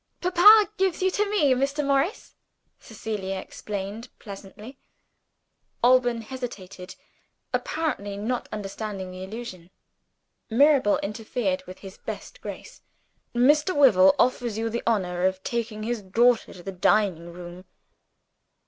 "Papa gives you to me, Mr. Morris," Cecilia explained pleasantly. Alban hesitated, apparently not understanding the allusion. Mirabel interfered with his best grace: "Mr. Wyvil offers you the honor of taking his daughter to the dining room."